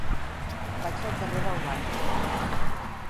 Vaig al carrer d'Albània.